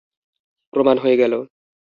প্রমাণ হয়ে গেল।